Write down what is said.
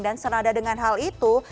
dan senada dengan hal itu